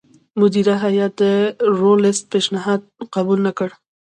مدیره هیات د ورلسټ پېشنهاد قبول نه کړ.